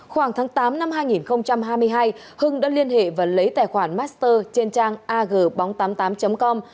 khoảng tháng tám năm hai nghìn hai mươi hai hưng đã liên hệ và lấy tài khoản master trên trang ag bóng tám mươi tám com